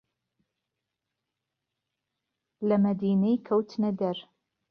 لە مهدينەی کهوتنە دەر